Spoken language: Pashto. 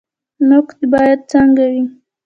نقد باید څنګه وي؟